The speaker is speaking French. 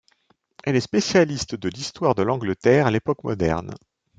Elle est spécialiste de l'histoire de l'Angleterre à l'époque moderne.